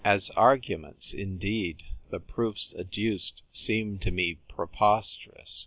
As arguments, indeed, the proofs adduced seem to me preposterous.